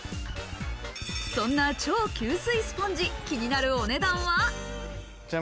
そんな超吸水スポンジ、気になるお値段は？